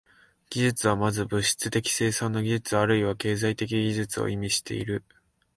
技術は先ず物質的生産の技術あるいは経済的技術を意味している。